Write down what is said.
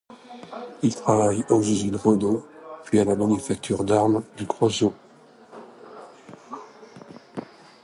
Il travaille aux usines Renault puis à la manufacture d'armes du Creusot.